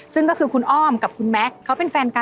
ซึ่งคุณอ้อมกับคุณแม็กค์